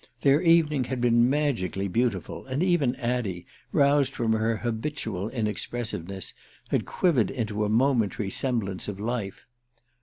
Their evening had been magically beautiful, and even Addie, roused from her habitual inexpressiveness, had quivered into a momentary semblance of life.